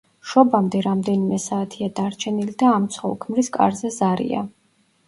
შობამდე რამდენიმე საათია დარჩენილი და ამ ცოლ-ქმრის კარზე ზარია.